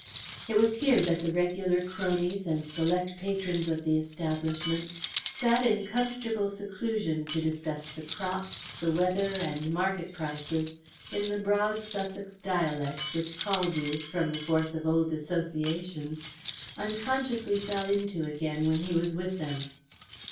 It was here that the regular cronies and select patrons of the establishment sat in comfortable seclusion to discuss the crops, the weather, and market prices in the broad Sussex dialect, which Caldew, from the force of old association, unconsciously fell into again when he was with them.